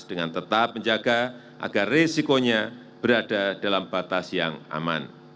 dengan tetap menjaga agar risikonya berada dalam batas yang aman